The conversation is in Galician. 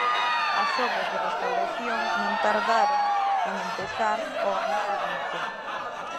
As obras de restauración non tardaron en empezar ó ano seguinte.